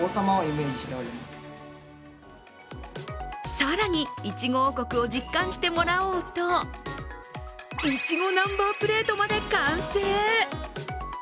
さらに、いちご王国を実感してもらおうといちごナンバープレートまで完成。